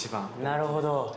なるほど。